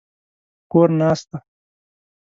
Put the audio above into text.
په کور ناست دی.